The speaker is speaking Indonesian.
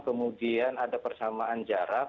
kemudian ada persamaan jarak